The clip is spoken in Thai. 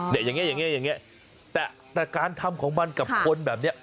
ดุ้งเลย